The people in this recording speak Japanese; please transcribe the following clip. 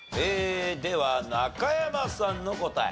では中山さんの答え。